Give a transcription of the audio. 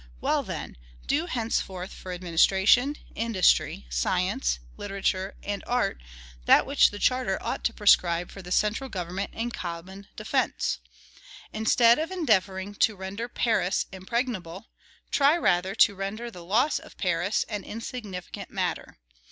Well, then! do henceforth for administration, industry, science, literature, and art that which the charter ought to prescribe for the central government and common defence. Instead of endeavoring to render Paris impregnable, try rather to render the loss of Paris an insignificant matter.